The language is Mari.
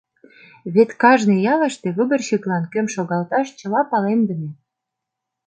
Вет кажне ялыште выборщиклан кӧм шогалташ, чыла палемдыме.